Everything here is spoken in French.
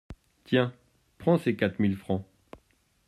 Tiens, prends ces quatre mille francs.